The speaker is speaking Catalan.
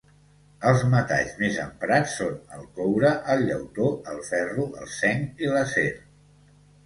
Els metalls més emprats són el coure, el llautó, el ferro, el zinc i l'acer.